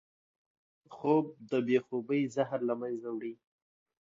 خوب د بې خوبۍ زهر له منځه وړي